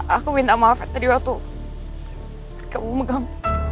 aku minta maaf tadi waktu kamu megang